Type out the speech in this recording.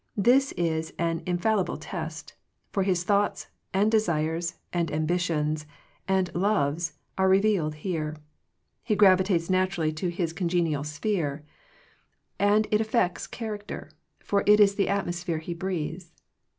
This is an in fallible test; for his thoughts, and desires, and ambitions, and loves are revealed here. He gravitates naturally to his con 88 Digitized by VjOOQIC THE CHOICE OF FRIENDSHIP genial sphere. And it affects character; for it is the atmosphere he breathes.